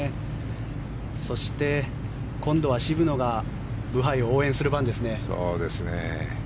そして、今度は渋野がブハイを応援する番ですね。